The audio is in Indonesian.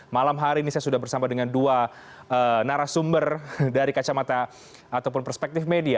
malam hari ini saya sudah bersama dengan dua narasumber dari kacamata ataupun perspektif media